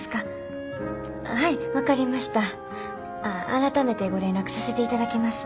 改めてご連絡させていただきます。